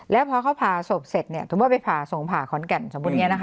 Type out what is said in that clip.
แล้วพอเขาผ่าศพเสร็จเนี่ยถึงว่าไปผ่าส่งผ่าขอนแก่นสมมุติไงนะคะ